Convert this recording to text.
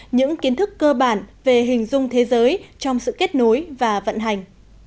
những kiến thức cơ bản về hình dung thế giới trong sự kết nối và vận hành